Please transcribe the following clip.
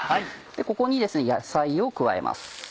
ここにですね野菜を加えます。